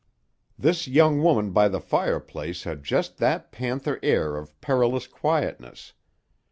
This young woman by the fireplace had just that panther air of perilous quietness.